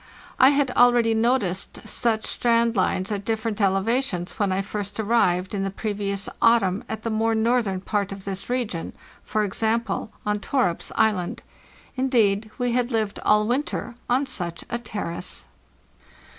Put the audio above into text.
I had already noticed such strand lines at different elevations when I first arrived in the previous autumn at the more northern part of this region (for example, on Torup's Island). Indeed, we had lived all winter on such a terrace.